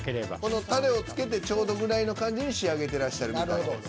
このたれをつけてちょうどぐらいの感じに仕上げてらっしゃるみたいです。